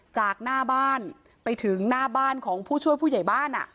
จากหน้าบ้านไปถึงหน้าบ้านของผู้ช่วยผู้ใหญ่บ้าน